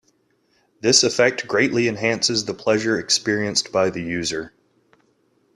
This effect greatly enhances the pleasure experienced by the user.